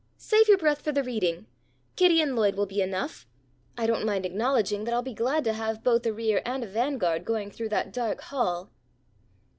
"Save your breath for the reading. Kitty and Lloyd will be enough. I don't mind acknowledging that I'll be glad to have both a rear and a vanguard going through that dark hall."